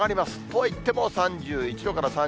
とはいっても、３１度から３２度。